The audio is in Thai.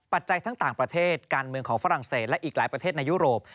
จัยทั้งต่างประเทศการเมืองของฝรั่งเศสและอีกหลายประเทศในยุโรป